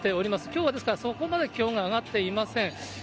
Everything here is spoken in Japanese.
きょうはですから、そこまで気温が上がっていません。